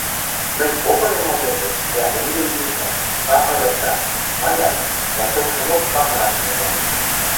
– Мӹнь попынем ылнежӹ, дӓ онгем йишна, кахырыкта, – манят, лачокшымок кахыраш тӹнгӓльӹ.